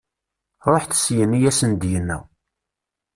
Ruḥet syin, i asen-d-yenna.